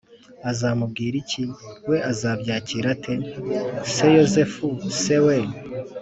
azamubwira iki ? we azabyakira ate ? se yozefu se we